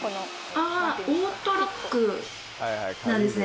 あオートロックなんですね。